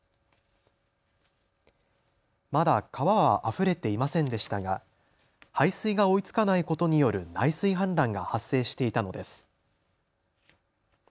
まだ川はあふれていませんでしたが排水が追いつかないことによる内水氾濫が発生していたのです。